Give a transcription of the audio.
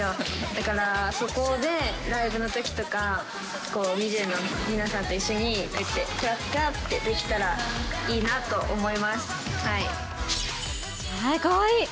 だからそこで、ライブのときとか、皆さんと一緒にこうやってクラップクラップってできたらいいなとかわいい。